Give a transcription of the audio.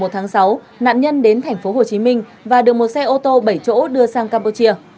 tháng sáu nạn nhân đến thành phố hồ chí minh và được một xe ô tô bảy chỗ đưa sang campuchia